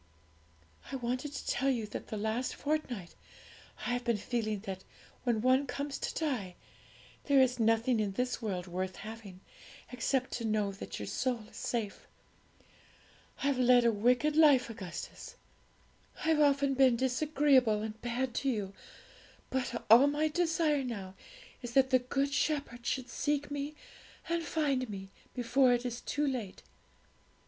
'I wanted to tell you that the last fortnight I have been feeling that when one comes to die, there is nothing in this world worth having, except to know that your soul is safe. I've led a wicked life, Augustus; I've often been disagreeable and bad to you; but all my desire now is that the Good Shepherd should seek me and find me, before it is too late.'